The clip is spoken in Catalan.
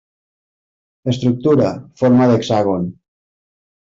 Estructura: forma d'hexàgon.